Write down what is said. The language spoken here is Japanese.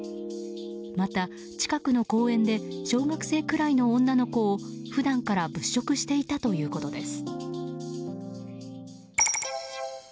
また近くの公園で小学生くらいの女の子を普段から物色していたということです。